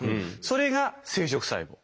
それが生殖細胞。